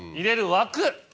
枠？